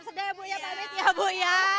sedih ya bu ya